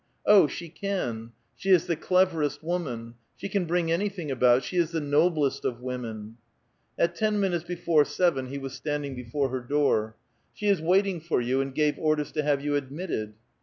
'* Oh I she can ; she is the cleverest woman ; she can bring anything about ! She is the noblest of women !" At ten minutes ))efore seven he was standing before her door. '* She is waiting for you, and gave orders to have you admitted."